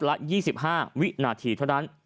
ละ๒๕วินาทีเท่านั้น